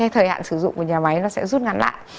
thời hạn sử dụng của nhà máy nó sẽ rút ngắn lại